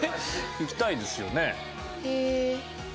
行きたいですよね。